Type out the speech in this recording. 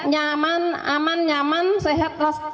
nyaman aman nyaman sehat